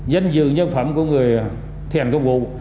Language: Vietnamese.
danh dự nhân phẩm của người thi hành công vụ